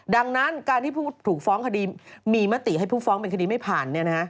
ดังนั้นการที่ผู้ฟ้องคดีมีมาติให้ผู้ฟ้องเป็นคดีไม่ผ่านเนี่ยนะฮะ